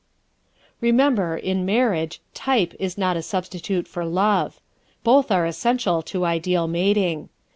_Remember, in marriage, TYPE is not a substitute for LOVE. Both are essential to ideal mating.